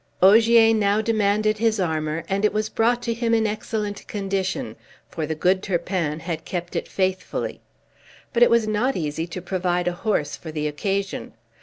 Ogier now demanded his armor, and it was brought to him in excellent condition, for the good Turpin had kept it faithfully; but it was not easy to provide a horse for the occasion.